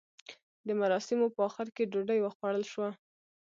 د مراسیمو په اخر کې ډوډۍ وخوړل شوه.